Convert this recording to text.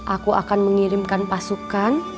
aku akan mengirimkan pasukan